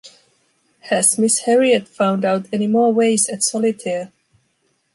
Has Miss Harriet found out any more ways at solitaire?